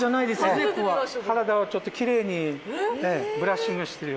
体をちょっときれいにブラッシングしてる。